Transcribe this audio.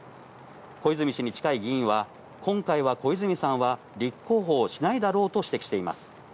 小泉氏に近い議員は、今回は小泉さんは立候補をしないだろうと指摘しています。